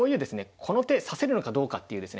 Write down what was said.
この手指せるのかどうかっていうですね